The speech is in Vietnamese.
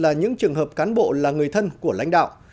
là những trường hợp cán bộ là người thân của lãnh đạo